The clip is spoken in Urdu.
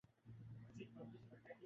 چوتھے دن کے کھیل میں